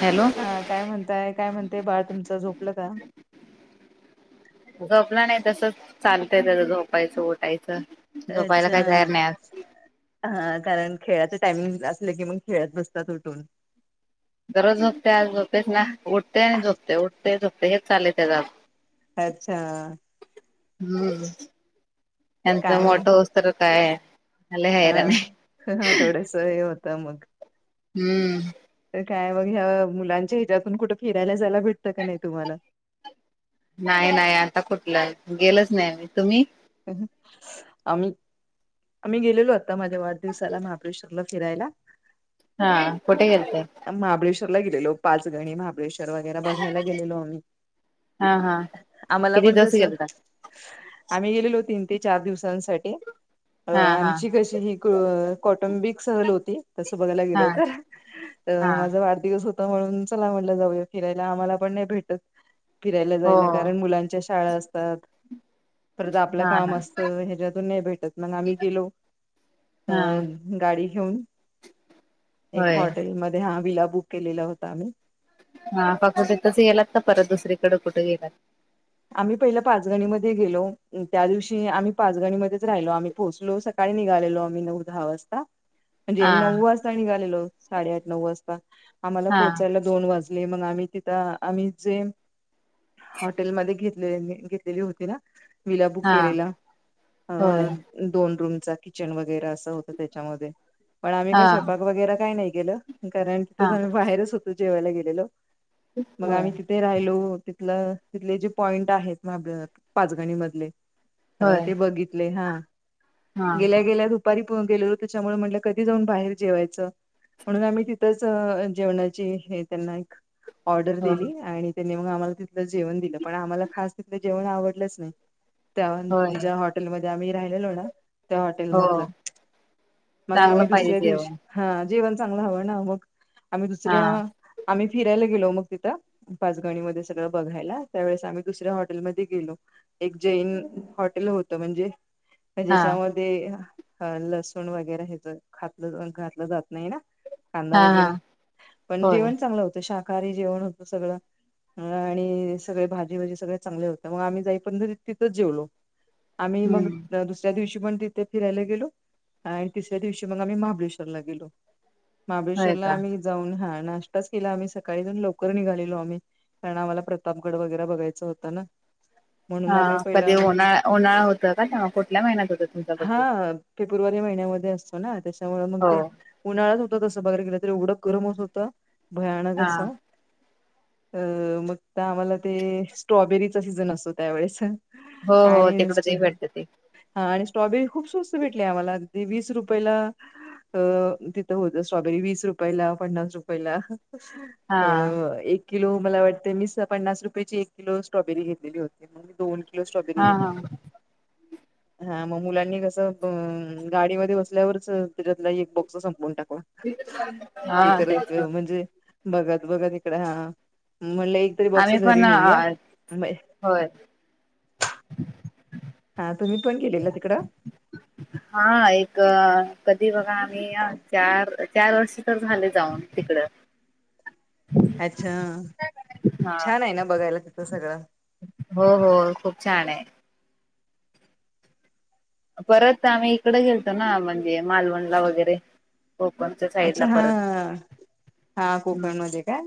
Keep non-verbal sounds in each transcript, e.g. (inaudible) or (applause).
Hello. हा काय म्हणताय? काय म्हणतय बाळ तुमचं झोपलं का? झोपला नाही तसच चालतंय त्याज झोपायचं उटायचं. अच्छा हा कारण खेळाचं टायमिंग असलं की मग खेळत बसतात उठून. दररोज झोपते आज झपतेच ना उठते आणि झोपते उठते झोपते हेच चाललय त्याज अच्छा हम्म त्यांचं काय मग मोठ होस्त काय लय हा हैराण आहे ह थोडेस हे होतं मग हम्म तर काय मग ह्या मुलांच्या हिच्यातून कुठं फिरायला जायला भेटतं का नाही तुम्हाला नाही नाही आता कुठलं गेलंच नाहीही तुम्ही आम्ही आम्ही गेलेलो आता माझ्या वाढदिवसाला महाबळेश्वरला फिरायला. हा कोटे गेलते. महाबळेश्वरला गेलेलो पाच गणी महाबळेश्वर. (unintelligible) बघायला गेलेलो आम्ही हा हा आम्हाला किती पण दिवस कस गेलता आम्ही गेलेलो तीन ते चार दिवसांसाठी अ हा हा आमची कशी अ कौटुंबिक सहल होती. तसं बघायला हा गेलं तर हा माझा वाढदिवस हो म्हणून चला म्हणलं जाऊया फिरायला आम्हाला पण नाही भेटत. फिरायला हो जायला कारण मुलांच्या शाळा असतात. परता आपलं हा ना काम असतं ह्याच्यातून नाही भेटत मग आम्ही गेलो अ हा गाडी घेऊन एक होय हॉटेल मध्ये हा विला बुक केलेला होता आम्ही. हा फक्त तिथंच गेलात का परत दुसरीकड कुठ गेलात. आम्ही पहिलं पाचगणीमध्ये गेलो त्या दिवशी आम्ही पाचगणीमध्येच राहिलो आम्ही पोहोचलो स सकाळी निघालेलो आम्ही नऊ, दहा वाजता. म्हणजे हा नऊ वाजता निघालेलो साडे आठ, नऊ वाजता आम्हाला हा पोहोचायला दोन वाजले मग आम्ही तिथं आम्ही जे मध्ये घेत घेतलेली होती ना विला बुक हा केलेला अ होय दोन रूमचा किचन वगैरे असं होतं त्याच्यामध्ये. पण आम्ही हा काही स्वयपाक वगैरे काही नाही गेलं कारण हा तिथंच आम्ही बाहेरच होतो जेवायला गेलेलो. मग होय आम्ही तिथे राहिलो तिथलं तिथले जे पॉईंट आहेत महाब पाचगणी मधले. अ होय ते बघितले हा हा गेल्या गेल्या द दुपारी गेल होत त्याच्यामुळे म्हटलं कधी जाऊन बाहेर जेवायचं. म्हणून आम्ही तिथंच अ जेवणाची हे त्यांना एक ऑर्डर हो दिली आणि तेनी आम्हाला तिथच जेवण दिलं पण आम्हाला खास तिथलं जेवण आवडलच नाही त होय ज्या हॉट हॉटेल मधे आम्ही राहिलेलो ना त्या हॉटेल हो मधलं मग चांगलं आम्ही पाहिजे दुसऱ्या दिवशी जेवण हा जेवण चांगलं हवं ना मग आम्ही हा दुसऱ्या आम्ही फिरायला गेलो मग तिथं पाचगणीमध्ये सगळं बघायला त्यावेळेस आम्ही दुसऱ्या हॉटेलमध्ये गेलो. एक जैन हॉटेल होतं म्हणजे हा ज्याच्यामध्ये लसूण वगैरे हेज खात घातलं जात नाही ना. कांदा हा हा वगैरा पण होय जेवण चांगलं होतं शाकाहारी जेवण होतं सगळं. आणि सगळे भाजी भाजी सगळे चांगले होते मग आम्ही जाई पर्यंत तिथच जेवलो. आम्ही मग हम्म दुसऱ्या दिवशी पण ती फिरायला गेलो आणि तिसऱ्या दिवशी मग आम्ही महाबळेश्वरला गेलो. होय महाबळेश्वरला का आम्ही जाऊन हा नाश्ताच केला आम्ही सकाळी जाऊन लवकर निघालेलो आम्ही कारण आम्हाला प्रतापगड वगैरे बघायचं होता ना म्हणून हा आम्ही पहिला कधी उन्हाळा होत का तेव्हा कुठल्या महिन्यात होता तुमचा हा बडे फेब्रुवारी महिन्यामध्ये असतो ना त्याच्यामुळे मग हो ते उन्हाळात होत तसं बाहेर गेलं तरी एवढं गरम होत होतं भयानक हा अस अ मग आम्हाला ते स्ट्रॉबेरीचा सीझन असतो त्यावेेळेस. हो हो आणि तिकड स्ट- ते भेटतं ते हा आणि स्ट्रॉबेरी खूप स्वस्त भेटली आम्हाला अगदी वीस रुपयला. अ तिथं होत स्ट्रॉबेरी वीस रुपयाला, पन्नास रुपययाला हा ह एक किलो मला वाटते मी स पन्नास रुपयाेची एक किलो स्ट्रॉबेरी घेतली होती मग दोन स्ट्रॉबेरी हा घेतली. हा हा मग मुलांनी कसं गाडीमध्ये बसल्यावरच तिच्यातला एक बॉक्स संपवून टाकला हा एकच तेच की म्हणजे बघत बघत इकडे हा म्हणलं एक तरी बॉक्स आम्ही पण घरी नेऊया नाही होय हा तुम्ही पण गेलेला तिकडं हा एक कधी बघा आम्ही अ चार चार वर्ष झाले जाऊन तिकड अच्छा हा छान आहे ना बघायला तिथं सगळं हो हो खूप छान आहे. परत आम्ही इकडे गेलतो ना म्हणजे मालवणला वगैरे. कोकणच्या साईड ला अच्छा हा परत हा कोकण मध्ये काय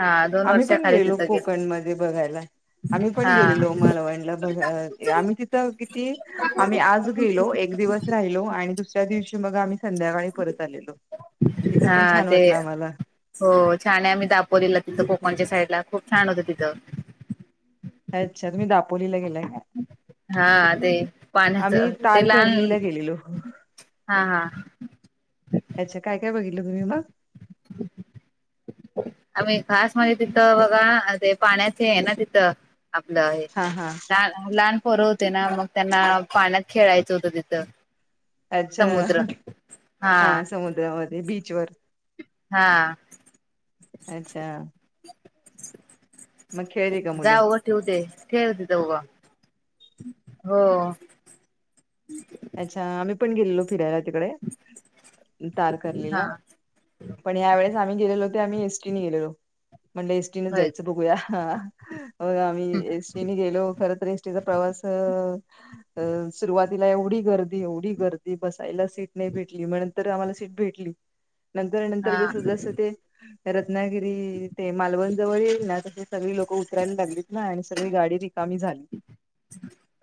हा दोन आम्ही पण वर्षाखाली गेलेलो तिथं गेलो कोकणमध्ये बघायला आम्ही पण हा गेलेलो मालवणला बघ ते आम्ही तिथं किती आम्ही आज गेलो एक दिवस राहिलो आणि दुसऱ्या दिवशी मग आम्ही संध्याकाळी परत आलेलो तिथं हा पण छान ते वाटलं आम्हाला. हो छान आहे आम्ही दापोलीला तिथं कोकणच्या साईड ला खूप छान होतं तिथं अच्छा तुम्ही दापोलीला गेलाय का हा ते पाण्याच आम्ही ते लहान तारकर्लीला गेलेलो. हा हा अच्छा काय काय बघितलं तुम्ही मग आम्ही खास म्हणजे तिथं बघा ते पाण्याचे आहे ना तिथं आपलं हे हा हा लहान लहान पोरं होते ना मग त्यांना पाण्यात खेळायचं होतं तिथं अच्छा समुद्र हा समुद्रामध्ये बीच वर हा अच्छा मग खेळली का मूल जा उगं ठेवते ठेव तिथं उभा हो अच्छा आम्ही पण गेलोलो फिरायला तिकडे हा तारकर्लीला पण या वेळेस आम्ही गेलेलो ते आम्ही एसटी न गेलेलो म्हटले एसटी न होय जायचं बघूया आम्ही एसटी गेलो खर तर एसटीचा प्रवास अ सुरुवातीला एवढी गर्दी एवढी गर्दी बसायला सीट नाही भेटली मग नंतर आम्हाला सीट भेटली. नंतर नंतर हा जस जसं ते रत्नागिरी ते मालवण जवळ येईल ना तसे सगळी लोक उतरायला लागलीत ना आणि सगळी गाडी रिकामी झाली.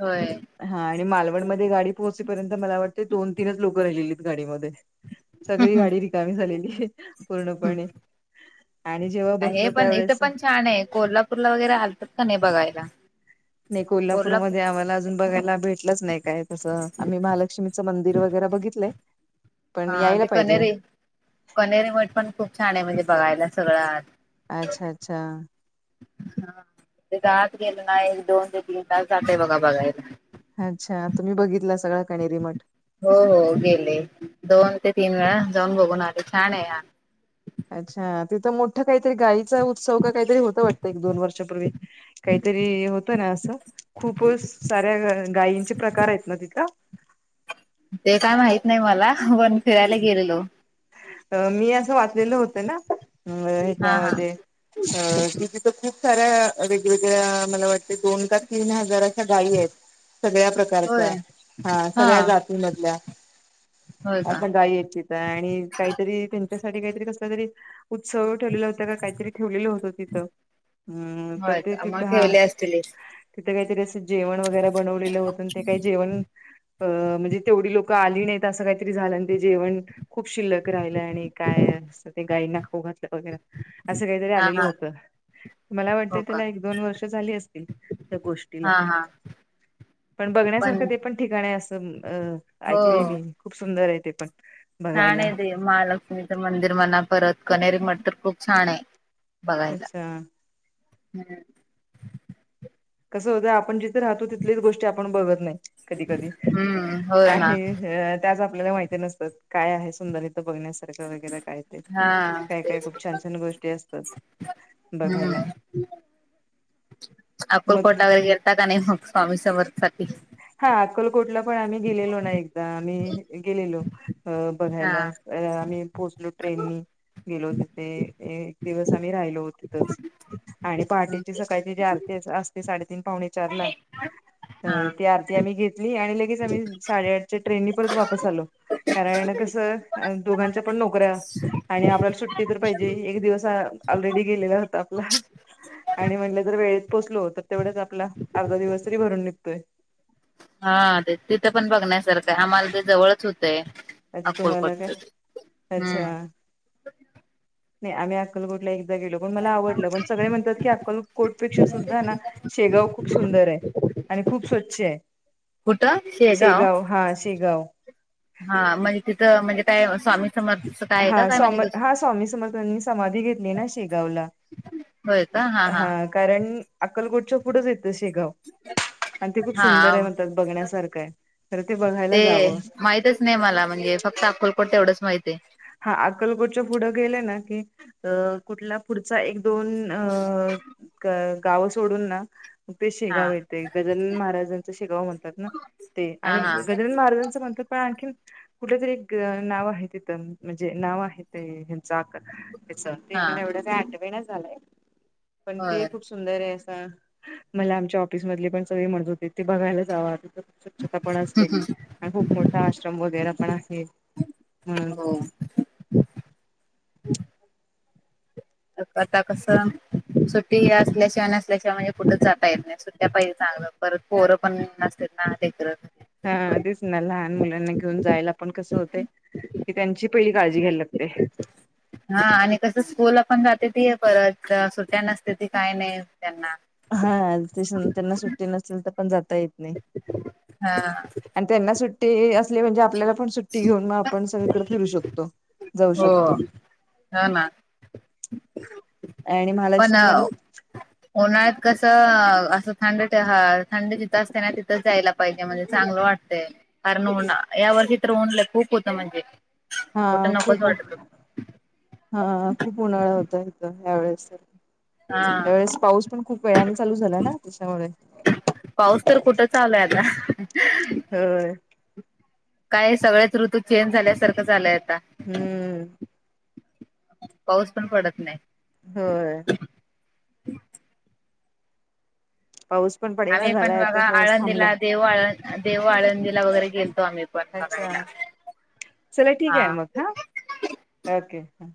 होय हा आणि मालवणमध्ये गाडी पोहोचपर्यंत मला वाटते दोन तीनच लोकं राहिलेलीत गाडीमध्ये सगळी गाडी रिकामी झालेली आहे पूर्णपणे आणि जेव्हा हे बसलो पण त्यावे इथं पण छान आहे कोल्हाप ूरला वगैरे आलतात का नाही बघायला नाही कोल्हापूरमध्ये कोल्हापूर आम्हाला अजून बघायला भेट लंच नाही काय तसं आम्ही महालक्ष्मीचं मंदिर वगैरे बघितलंय पण हा यायला ते पाहिजे कनेरीे कनेरीे मठ पण खूप छान आहे म्हणजे बघायला सगळं अच्छा अच्छा हा ते जात गेलं नाही दोन ते तीन तास सात आहे बघा बघायला अच्छा तुम्ही बघितला सगळा कणेरी मठ हो हो गेले दोन ते तीन वेळा जाऊन बघून आले छान आहे अच्छा तिथं मोठं काहीतरी गाईचा उत्सव का काहीतरी होत वाटतं एक दोन वर्षापूर्वी काहीतरी होत ना असं खूप साऱ्या गायींचे प्रकार आहेत ना तिथ ते काय माहीत नाही मला पण फिरायला गेलेलो अ मी असं वाचलेलं होतं ना हा हा ह्याच्यामध्ये अ तिथ तर खूप साऱ्या वेगवेगळ्या मला वाट दोन का तीन हजार अशा गायी आहेत सगळ्या प्रकारच्या होय हा सगळ्या जाती मधल्या होय का असं गय इच्छित आहे आणि काहीतरी त्यांच्यासाठी काहीतरी कसला तरी उत्सव ठेवलेला तथ काहीतरी ठेवलेलं होतं तिथं तर होय ते का मग तिथ हा ठेवले असतील तिथ काहीतरी अस जेवण वगैरे बनवलेलं होतं ते काही जेवण अ म्हणजे तेवढी लोक आली नाही ं काहीतरी झालं ते जेवण खूप शिल्लक राहिलं आणि काय अस ते गाईंना खू घातलं वगैरे असं काहीतरी हा आलेलं हा होतं मला हो वाटते का त्याला एक दोन वर्ष झाली असतील त्या गोष्टीला हा हा पण बघण्यासारखं ते पण ठिकाण आहे असं हो ऐकलेय मी खूप सुंदर आहे ते पण बघायला छान आहे ते महालक्ष्मीच मंदिर म्हणा परत कनेरी मठ तर खूप छान आहे बघायला अच्छा कसं होतं आपण जिथे राहतो तिथलीच गोष्टी आपण बघत नाही कधी कधी हम्म होय ना आणि त्याच आपल्याला माहिती नसतात काय आहे सुंदर बघण्यासारखं वगैरे काय ते हा काय काय तेच खूप छान छान गोष्टी असतात हम्म बघायला मग अक्कलकोटला वगैरे गेलता का नाही मग स्वामी समर्थ साठी हा अक्कलकोटला पण आम्ही गेलेलो ना एकदा आम्ही गेलेलो हा बघायला आम्ही पोहोचलो ट्रेननी गेलो तिथे एक दिवस आम्ही राहिलो तिथच आणि पहाटेची सकाळची जी आरती आती साडेतीन पावणे चार ला अ हा ती आरती आम्ही घेतली आणि लगेच आम्ही साडेआठच्या ट्रेननी परत वापस आलो कारण कसं दोघांच्या पण नोकऱ्या आणि आपल्याला सुट्टी तर पाहिजे एक दिवस ऑलरेडी गेलेला होता आपला आणि म्हटलं जर वेळेत पोचलो तर तेवढेच आपला अर्धा दिवस तरी भरून निघतोय हा ते तिथं पण बघण्यासारखं आम्हाला ते जवळच होतंय अ तुम्हाला काय अक्कलकोटच अच्छा हम्म नाही आम्ही अक्कलकोटला एकदा गेलो पण मला आवडलं पण सगळे म्हणतात की अक्कलकोटपेक्षा सुद्धा ना शेगाव खूप सुंदर आहे आणि खूप स्वच्छ आहे कुठ शेगाव हा शेगाव हा म्हणजे तिथं म्हणजे काय स्वामी समर्थ हा सम हा स्वामी समर्थांनी समाधी घेतली ना शेगावला होय का हा हा कारण अक्कलकोटच्या पुढंच येतं शेगाव आणि ते खूप सुंदर हा आहे म्हणतात बघण्यासारखं आहे तर ते बघायला जावं माहितच नाही मला म्हणजे फक्त अक्कोलकोट तेवढंच माहती आहे हा अकलकोटच्या पुढं गेले ना की अ कुठल्या पुढचा एक दोन अ गावं सोडून ना ते हा शेगाव येते एक गजन महाराजांचा शेगाव म्हणतात ना ते हा आणि हा गजानन महाराजांचं म्हटलं पण आणखी कुठ तरी नाव आहे तिथं म्हणजे नाव आहे तेंचाक ते हा मला एवढ्या काही आठवण झालंय पण ते होय खूप सुंदर आहे असं मला आमच्या ऑफिस मधले पण सगळे म्हणत होते ते बघायलाच जावं स्वच्छता पण असते आणि खूप मोठा आश्रम वगैरे पण आहे म्हणून हो आता कसं सुट्टी असल्याशिवाय नसल्याशिवाय म्हणजे कुठेच जाता येेत नाही ्या पाहिजे चांगलं परत पोरं पण नसत ना ते करत हा तेच ना लहान मुलांना घेऊन जायला पण कस होते की त्यांची पहिली काळजी घ्यायला लागते हा आणि कसं स्कूल पण जाते ती परत सुट्या नसते ती काय नाही त्यांना हा ते त्यांना सुट्टी नसेल तर पण जाता येत नाही हा त्यांना सुट्टी असली म्हणजे आपल्याला पण सुट्टी घेऊन मग आपण सगळीकडे फिरू शकतो जाऊ हो शकतो हा ना आणि महालक्ष्मी मंद प उन्हाळ्यात कसं असं थंड ह थंड तिथं असते ना तिथंच जायला पाहिजे म्हणजे चांगलं वाटते कारण उन या वर्षी तर ऊनलं खूप होत म्हणजे हा कुठं नकोच खूप वाटत होतं हा खूप उन्हाळा होता इथ हवेेळेस तर हा. त्यावेळेस पाऊस पण खूप वेळाने चालू झाला ना त्याच्यामुळे पाऊस तर कुठं चाललाय आला ह हो काय सगळ्याच ऋतू चेंज झाल्यासारखं झालंय आता हम्म पाऊस पण पडत नाही हो पाऊस पण प आम्ही पण बघा आळंदीला देऊ आळ देऊ आळंदीला वगैरे गेलतो आम्ही पण अच्छा बघायला. चला ठीक आहे मग हा ओके ह